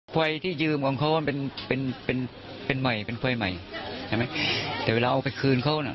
ไฟที่ยืมของเขาเป็นไฟใหม่แต่เวลาเอาไปคืนเขาเนี่ย